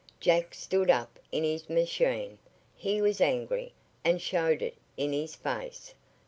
Jack stood up in his machine. He was angry, and showed it in his face.